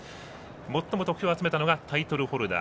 最も得票を集めたのがタイトルホルダー